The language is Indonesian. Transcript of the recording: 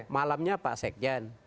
malamnya pak sekjen